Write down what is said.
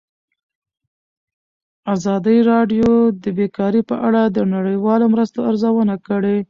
ازادي راډیو د بیکاري په اړه د نړیوالو مرستو ارزونه کړې.